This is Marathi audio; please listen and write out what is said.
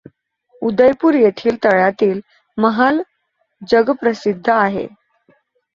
उदयपूर येथील तळ्यातील महाल जगप्रसिद्ध आहे.